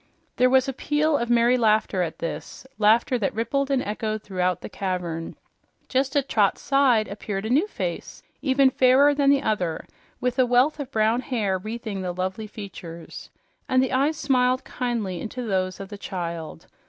There was a peal of merry laughter at this, laughter that rippled and echoed throughout the cavern. Just at Trot's side appeared a new face even fairer than the other, with a wealth of brown hair wreathing the lovely features. And the eyes smiled kindly into those of the child.